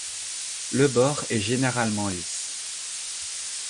Le bord est généralement lisse.